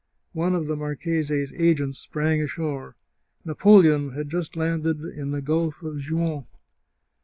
One of the marchese's agents sprang ashore. Napoleon had just landed in the Gulf oi Juan!